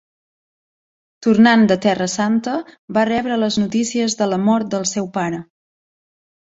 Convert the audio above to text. Tornant de Terra Santa va rebre les notícies de la mort del seu pare.